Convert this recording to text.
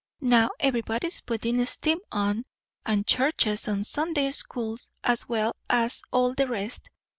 Now everybody's puttin' steam on; and churches and Sunday schools as well as all the rest.